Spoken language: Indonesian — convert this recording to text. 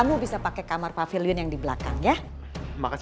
dufin tuh orang yang baik banget